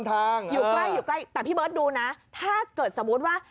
แต่พี่เบิร์ตดูนะถ้าเกิดสมมุติว่า